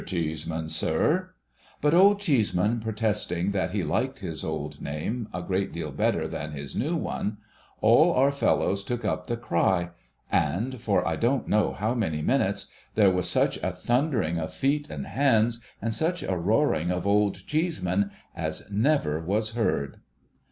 Cheeseman, sir.' But, Old Cheeseman protesting that he liked his old name a great deal better than his new one, all our fellows took up the cry ; and, for I don't know how many minutes, there was such a thundering of feet and hands, and such a roaring of Old Cheeseman, as never was heard.